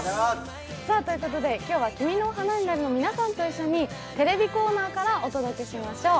今日は「君の花になる」の皆さんと一緒にテレビコーナーからお届けしましょう。